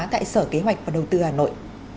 tại sở kế hoạch và đầu tư hà nội